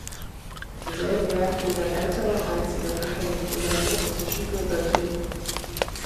Im selben Jahr fiel sein älterer und einziger Bruder Nikolai im Russischen Bürgerkrieg.